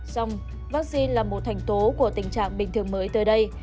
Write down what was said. xong vaccine là một thành tố của tình trạng bình thường mới tới đây